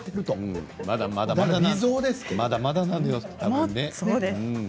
まだまだなのよ。